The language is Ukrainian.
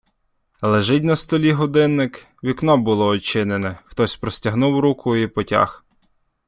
Лежить на столі годинник, вікно було одчинене, хтось простягнув руку і потяг.